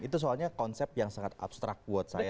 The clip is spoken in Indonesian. itu soalnya konsep yang sangat abstrak buat saya